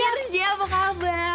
aku tak mau